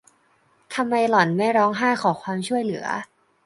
ทำไมหล่อนไม่ร้องไห้ขอความช่วยเหลือ ?